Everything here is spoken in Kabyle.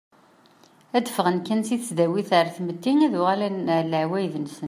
Ad ffɣen kan seg tesdawit ɣer tmetti ad uɣalen ɣer leɛwayed-nsen.